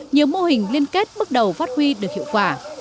nhiều mô hình liên kết bước đầu phát huy được hiệu quả